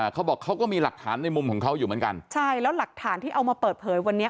เขาบอกเขาก็มีหลักฐานในมุมของเขาอยู่เหมือนกันใช่แล้วหลักฐานที่เอามาเปิดเผยวันนี้